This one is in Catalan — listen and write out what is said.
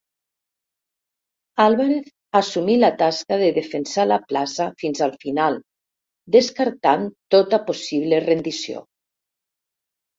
Álvarez assumí la tasca de defensar la plaça fins al final, descartant tota possible rendició.